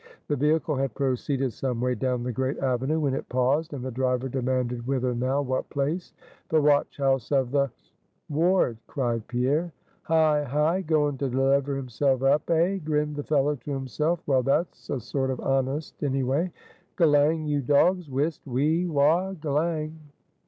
The vehicle had proceeded some way down the great avenue when it paused, and the driver demanded whither now; what place? "The Watch house of the Ward," cried Pierre. "Hi! hi! Goin' to deliver himself up, hey!" grinned the fellow to himself "Well, that's a sort of honest, any way: g'lang, you dogs! whist! whee! wha! g'lang!"